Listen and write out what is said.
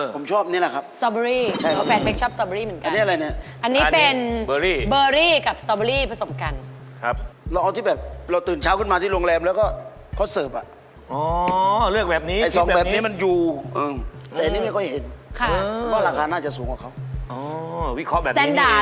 คือโดยเบสิกทั่วไปสตรอเบอร์รี่ก็เห็นบ่อยสุด